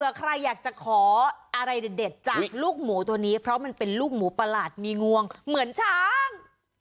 ใครอยากจะขออะไรเด็ดจากลูกหมูตัวนี้เพราะมันเป็นลูกหมูประหลาดมีงวงเหมือนช้าง